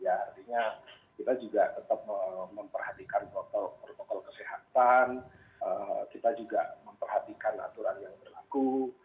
artinya kita juga tetap memperhatikan protokol kesehatan kita juga memperhatikan aturan yang berlaku